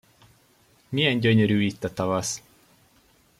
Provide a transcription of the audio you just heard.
Milyen gyönyörű itt a tavasz!